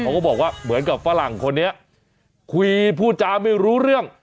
ก็บอกว่าเหมือนกับฝรั่งคนนี้คุยพูดจาไม่รู้เรื่อง